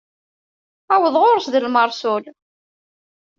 Aweḍ ɣur-s d lmeṛsul.